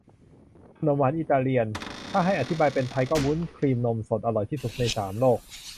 ขนมหวานอิตาเลียน ถ้าให้อธิบายเป็นไทยก็ วุ้นครีมนมสด อร่อยที่สุดในสามโลก